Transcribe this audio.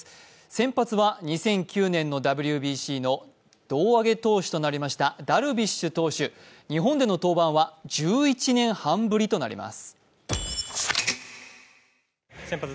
先発は２００９年のＷＢＣの胴上げ投手となりましたダルビッシュ投手、日本での登板は１１年半ぶりとなります。